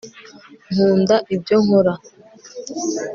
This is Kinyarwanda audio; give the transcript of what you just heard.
nkunda ibyo nkora